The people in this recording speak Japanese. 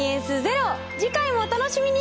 次回もお楽しみに！